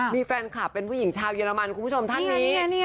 มีแฟนคลับเป็นผู้หญิงชาวเยอรมันคุณผู้ชมท่านนี้